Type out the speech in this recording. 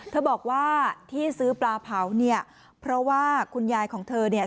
เธอบอกว่าที่ซื้อปลาเผาเนี่ยเพราะว่าคุณยายของเธอเนี่ย